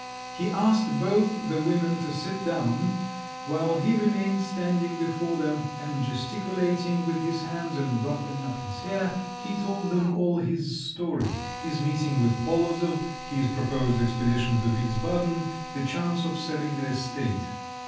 He asked both the women to sit down, while he remained standing before them, and gesticulating with his hands and ruffling up his hair, he told them all his story; his meeting with Polozov, his proposed expedition to Wiesbaden, the chance of selling the estate.